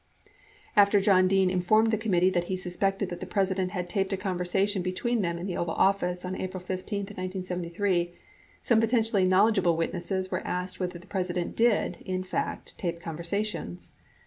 After John Dean informed the committee that he suspected that the President had taped a conversation between them in the Oval Office on April 15, 1973, some potentially knowledgeable witnesses were asked whether the President did, in fact, tape conversations.